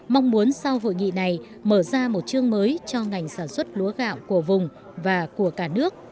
mong muốn sau hội nghị này mở ra một chương mới cho ngành sản xuất lúa gạo của vùng và của cả nước